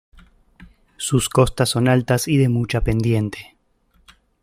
Sus costas son altas y de mucha pendiente.